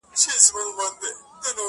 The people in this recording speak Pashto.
چي زه وگورمه مورته او دا ماته!!